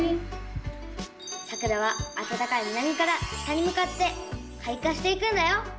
さくらはあたたかい南から北にむかってかい花していくんだよ。